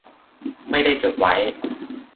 ไม่ได้จดไว้